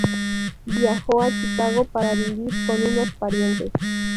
Viajó a Chicago para vivir con unos parientes.